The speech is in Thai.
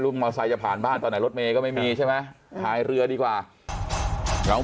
รถมาราศาสัยเข้าไปไม่ได้เลยรถมาราศาสัยหมอใส่แค่ก็กลัวครับ